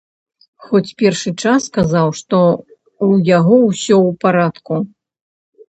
Хоць першы час казаў, што ў яго ўсё ў парадку.